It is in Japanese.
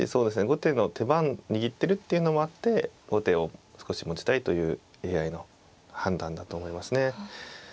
後手の手番握ってるっていうのもあって後手を少し持ちたいというＡＩの判断だと思いますね。